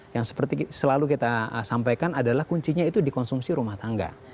yang seperti selalu kita sampaikan adalah kuncinya itu dikonsumsi rumah tangga